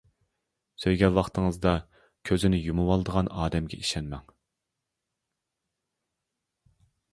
سۆيگەن ۋاقتىڭىزدا كۆزىنى يۇمۇۋالىدىغان ئادەمگە ئىشەنمەڭ.